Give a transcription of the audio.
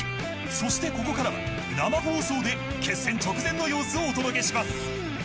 そしてここからは生放送で決戦直前の様子をお届けします。